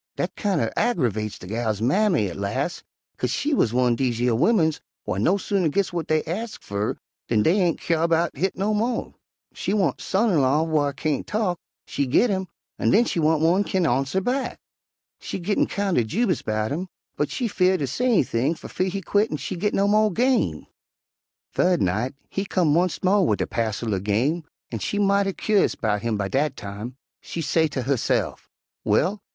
Dat kind er aggervex de gal's mammy at las', 'kase she wuz one'r dese yer wimmins whar no sooner gits w'at dey ax fer dan dey ain' kyare 'bout hit no mo.' She want son in law whar kain't talk, she git him, an' den she want one whar kin arnser back. She gittin' kind er jubous 'bout him, but she 'feared ter say anything fer fear he quit an' she git no mo' game. "Thu'd night he come onct mo' wid a passel er game, an' she mighty cur'ous 'bout him by dat time. She say ter husse'f, 'Well!